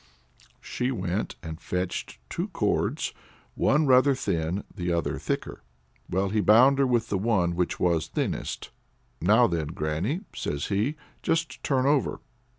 She went and fetched two cords, one rather thin, the other thicker. Well, he bound her with the one which was thinnest. "Now then, granny," says he, "just turn over."